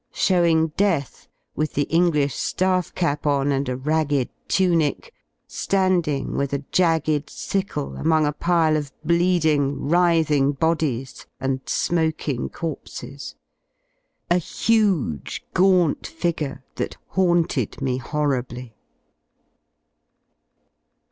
showing Death, with the English ^ ^ff cap on and a ragged tunic, ^landing with a jagged L sickle among a pile of bleeding, writhing bodies and smoking V corpses — a huge gaunt figure that haunted me horribly.